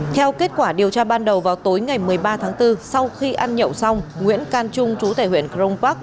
theo kết quả điều tra ban đầu vào tối ngày một mươi ba tháng bốn sau khi ăn nhậu xong nguyễn can trung chú tài huyện crong park